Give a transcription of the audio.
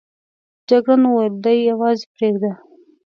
جګړن وویل دی یوازې پرېږده.